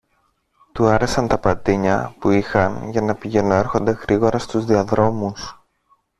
Του άρεσαν τα πατίνια που είχαν για να πηγαινοέρχονται γρήγορα στους διαδρόμους